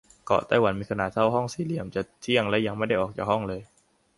เกาะไต้หวัน มีขนาดเท่าห้องสี่เหลี่ยม จะเที่ยงละ ยังไม่ได้ออกจากห้องเลย !